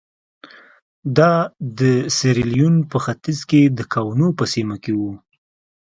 دا د سیریلیون په ختیځ کې د کونو په سیمه کې وو.